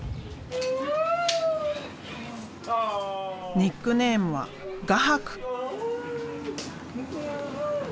ニックネームは「画伯」！